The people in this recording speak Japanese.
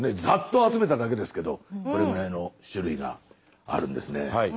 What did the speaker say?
ざっと集めただけですけどこれぐらいの種類があるんですね。